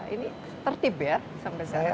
ini tertib ya sampai sekarang